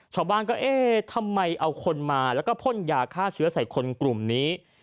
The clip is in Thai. ชาวบ้านก็เอ๊ะทำไมเอาคนมาแล้วก็พ่นยาฆ่าเชื้อใส่คนกลุ่มนี้